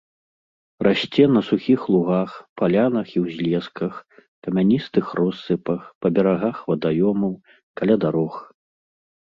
Расце на сухіх лугах, палянах і ўзлесках, камяністых россыпах, па берагах вадаёмаў, каля дарог.